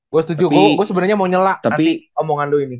gue sebenernya mau nyela nanti omongan lo ini